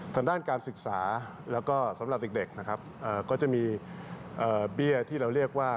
ทางด้านการศึกษาแล้วก็สำหรับเด็กนะครับก็จะมีเบี้ยที่เราเรียกว่า